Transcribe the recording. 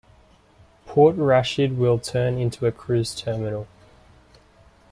Port Rashid will turn into a cruise terminal.